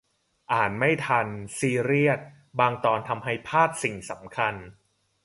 อ่านไม่ทัน ซีเรียส บางตอนทำให้พลาดสิ่งสำคัญ